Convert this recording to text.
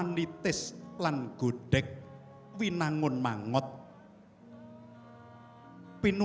niteh kereta temanten